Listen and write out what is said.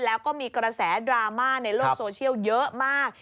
แล้วก็มีกระแสดราม่าในโลกโซเชียลเยอะมาก